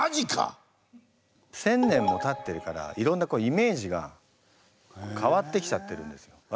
１，０００年もたってるからいろんなイメージが変わってきちゃってるんですよ。